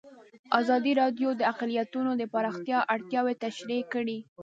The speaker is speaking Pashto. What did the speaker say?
ازادي راډیو د اقلیتونه د پراختیا اړتیاوې تشریح کړي.